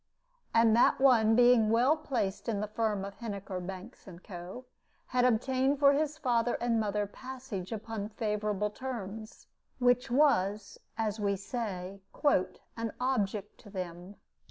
And that one being well placed in the firm of Heniker, Banks, and Co., had obtained for his father and mother passage upon favorable terms, which was, as we say, "an object to them."